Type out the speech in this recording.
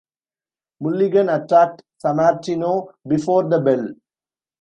Mulligan attacked Sammartino before the bell.